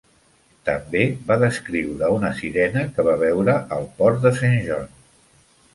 També va descriure una sirena que va veure al port de Saint John.